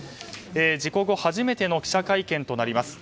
事故後初めての記者会見となります。